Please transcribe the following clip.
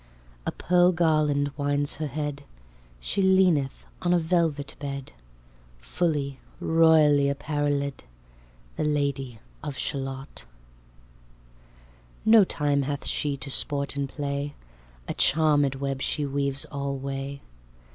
A pearlgarland winds her head: She leaneth on a velvet bed, Full royally apparellèd The Lady of Shalott. Part the Second. No time hath she to sport and play: A charmèd web she weaves alway.